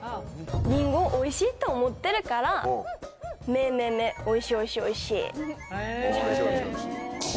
リンゴおいしいと思ってるから「めめめ」おいしいおいしいおいしい。